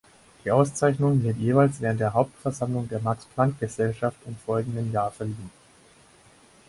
Die Auszeichnung wird jeweils während der Hauptversammlung der Max-Planck-Gesellschaft im folgenden Jahr verliehen.